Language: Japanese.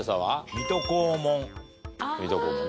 水戸黄門。